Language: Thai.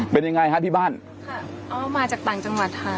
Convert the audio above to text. เป็นยังไงฮะที่บ้านค่ะอ๋อมาจากต่างจังหวัดค่ะ